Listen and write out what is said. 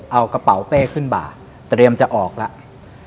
เอากระเป๋าเป้ขึ้นบาทเตรียมจะออกแล้ว